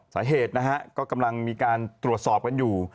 สาเหตุนะฮะก็กำลังมีการตรวจสอบกันอยู่